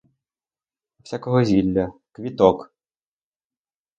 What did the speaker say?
А всякого зілля, квіток!